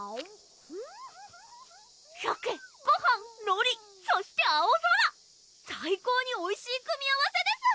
シャケごはんのりそして青空最高においしい組み合わせです